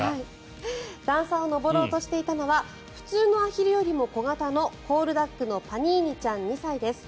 段差を上ろうとしていたのは普通のアヒルよりも小型のコールダックのパニーニちゃん２歳です。